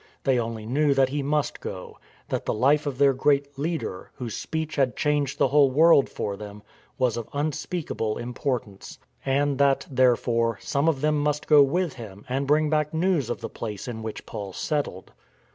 They only knew that he must go, that the life THE SEA OF ISLANDS 209 of their great leader, whose speech had changed the whole world for them, was of unspeakable importance ; and that, therefore, some of them must go with him and bring back news of the place in which Paul settled.